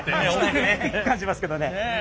低く感じますけどね。